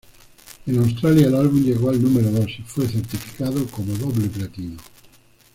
En Australia, el álbum llegó al número dos, y fue certificado como doble platino.